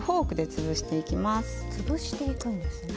つぶしていくんですね。